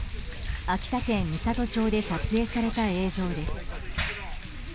秋田県美郷町で撮影された映像です。